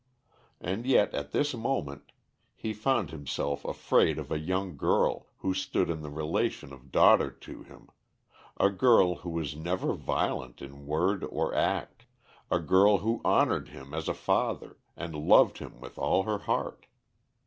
And yet at this moment he found himself afraid of a young girl, who stood in the relation of daughter to him a girl who was never violent in word or act, a girl who honored him as a father and loved him with all her heart.